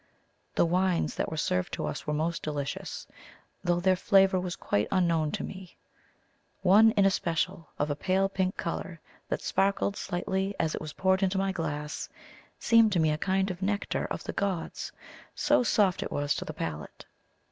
The wines that were served to us were most delicious, though their flavour was quite unknown to me one in especial, of a pale pink colour, that sparkled slightly as it was poured into my glass, seemed to me a kind of nectar of the gods, so soft it was to the palate.